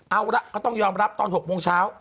เอาละก็ต้องยอมรับตอน๖โมงเช้า